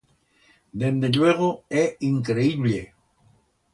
Dende lluego é increíblle.